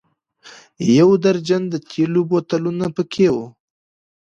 یو درجن د تېلو بوتلونه په کې و.